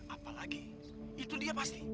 apalagi itu dia pasti